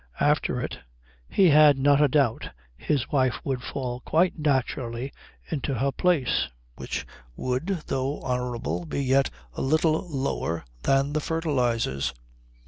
After it, he had not a doubt his wife would fall quite naturally into her place, which would, though honourable, be yet a little lower than the fertilizers.